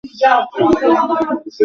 Chris জুলকেও ডাকা যেতে পারে।